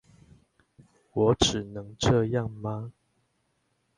我只能這樣嗎？